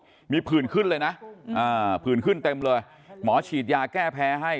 อืมมีผื่นขึ้นเลยนะอ่าผื่นขึ้นเต็มเลยหมอฉีดยาแก้แพ้ให้